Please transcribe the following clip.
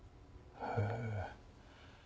へえ。